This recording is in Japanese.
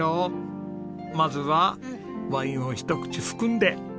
まずはワインをひと口含んで。